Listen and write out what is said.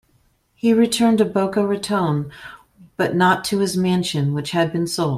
He returned to Boca Raton, but not to his mansion, which had been sold.